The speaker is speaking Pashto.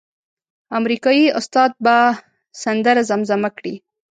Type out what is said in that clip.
امریکایي استاد به سندره زمزمه کړي.